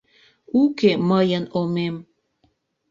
Уке мыйын омем